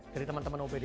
dari teman teman opd